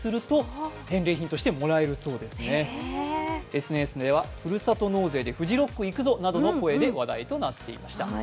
ＳＮＳでは、ふるさと納税でフジロック行くぞなどの声で盛り上がっていました。